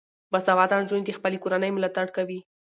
باسواده نجونې د خپلې کورنۍ ملاتړ کوي.